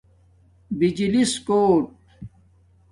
بجلیس کوٹ